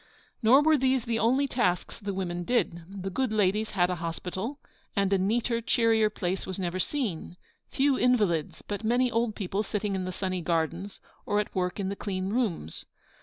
Nor were these the only tasks the women did. The good ladies had a hospital, and a neater, cheerier place was never seen; few invalids, but many old people sitting in the sunny gardens, or at work in the clean rooms.